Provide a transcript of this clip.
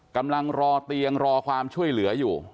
กำลังรอเตียงรอความช่วยเหลืออยู่